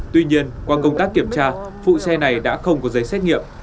tuy nhiên qua công tác kiểm tra phụ xe này đã không có giấy xét nghiệm